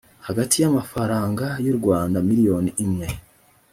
hagati y amafaranga y u rwanda miliyoni imwe